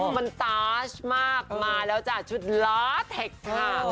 มันตาชมากมาแล้วจ้ะชุดลาเทคค่ะ